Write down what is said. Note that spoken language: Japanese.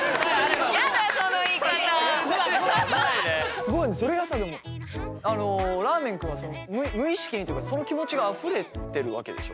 すごいなそれがさらーめん君は無意識にというかその気持ちがあふれてるわけでしょ？